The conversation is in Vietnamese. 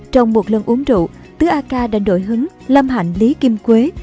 trong một lần uống rượu tứ a ca đã đổi hứng lâm hạnh lý kim quế